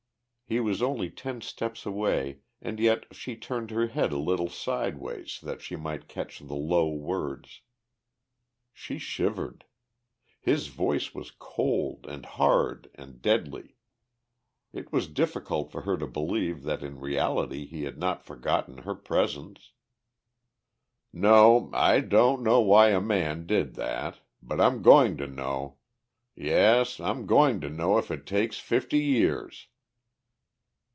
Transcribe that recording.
He was only ten steps away and yet she turned her head a little sideways that she might catch the low words. She shivered. His voice was cold and hard and deadly. It was difficult for her to believe that in reality he had not forgotten her presence. "No, I don't know why a man did that. But I'm going to know. Yes, I'm going to know if it takes fifty years."